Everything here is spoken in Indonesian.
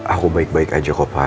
aku baik baik aja kok pak